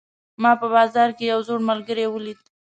ما په بازار کې یو زوړ ملګری ولید